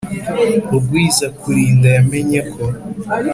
Rugwizakurinda yamenye ko